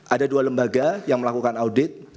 ada dua lembaga yang melakukan audit